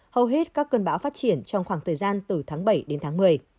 hầu hết các cơn bão phát triển trong khoảng thời gian từ tháng bảy đến tháng một mươi